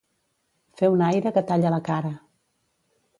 Fer un aire que talla la cara.